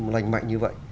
lành mạnh như vậy